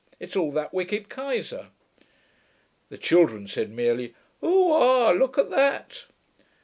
it's all that wicked Keyser.' The children said merely, 'Oo ah! look at that!'